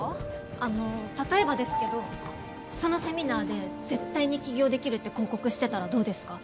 あの例えばですけどそのセミナーで「絶対に起業できる」って広告してたらどうですか？